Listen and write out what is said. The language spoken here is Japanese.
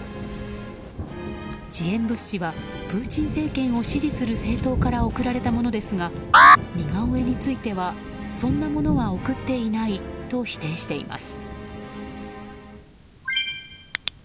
支援物資はプーチン政権を支持する政党から送られたものですが似顔絵についてはそんなものは送っていないと否定しています。